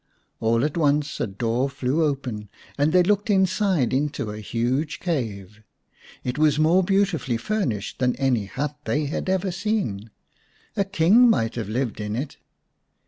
All at once a door flew open, and they looked inside into a huge cave. It was more beautifully furnished than any hut they had ever seen ; a king might have lived in it.